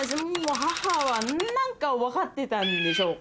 母は何か分かってたんでしょうか。